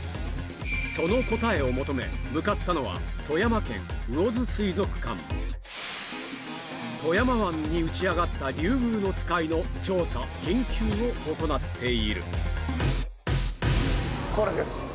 その答えを求め向かったのは富山県魚津水族館富山湾に打ち上がったリュウグウノツカイの調査・研究を行っているこれです！